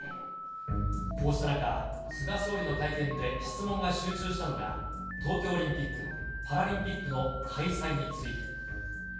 こうした中、菅総理の会見で質問が集中したのが、東京オリンピック・パラリンピックの開催について。